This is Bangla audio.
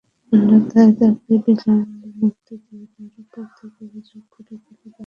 অন্যথায় তাঁকে অবিলম্বে মুক্তি দিয়ে তাঁর ওপর থেকে অভিযোগগুলো তুলে নেওয়া হোক।